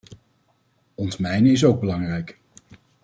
Ontmijnen is ook belangrijk.